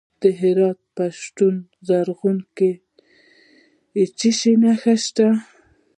د هرات په پشتون زرغون کې څه شی شته؟